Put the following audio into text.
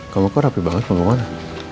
kamu kok rapi banget mau ke mana